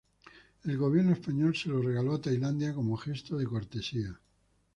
El gobierno español se lo regaló a Tailandia como gesto de cortesía.